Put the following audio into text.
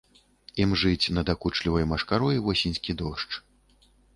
Імжыць надакучлівай машкарой восеньскі дождж.